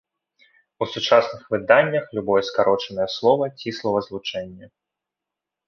У сучасных выданнях любое скарочанае слова ці словазлучэнне.